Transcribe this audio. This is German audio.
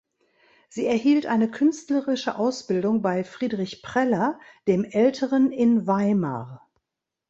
Sie erhielt eine künstlerische Ausbildung bei Friedrich Preller dem Älteren in Weimar.